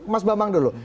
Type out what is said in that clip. mas bambang dulu